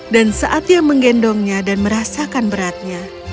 dan saat dia menggendongnya dan merasakan beratnya